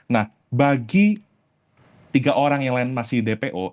nah bagi tiga orang yang lain masih dpo